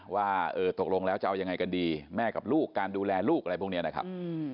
ว่าตกลงแล้วจะเอายังไงกันดีแม่กับลูกการดูแลลูกอะไรพวกนี้นะครับ